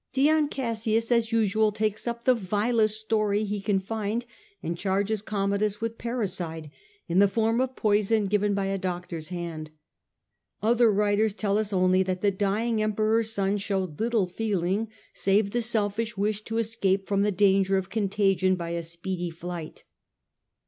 Dion Cassius, as and was usual, takes up the vilest story he can find, struck and charges Commodus with parricide, in the way, form of poison given by a doctor^s hand. A.D. i 8 o. Other writers tell us only that the dying Emperor's son showed little feeling, save the selfish wish to escape from the danger of contagion by a speedy flight.